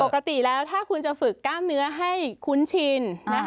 ปกติแล้วถ้าคุณจะฝึกกล้ามเนื้อให้คุ้นชิน